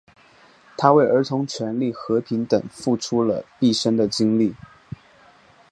他为儿童权利和平等付出了毕生的精力。